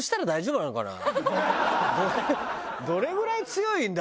どれぐらい強いんだろうね？